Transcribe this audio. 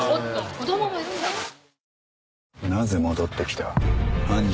子供もいるんだから。